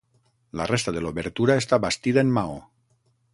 La resta de l'obertura està bastida en maó.